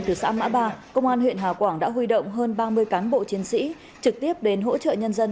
từ xã mã ba công an huyện hà quảng đã huy động hơn ba mươi cán bộ chiến sĩ trực tiếp đến hỗ trợ nhân dân